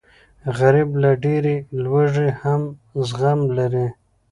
غریب له ډېرې لوږې هم زغم لري